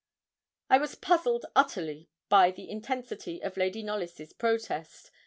I was puzzled utterly by the intensity of Lady Knollys' protest.